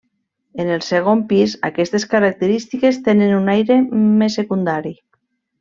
En el segon pis aquestes característiques tenen un aire més secundari.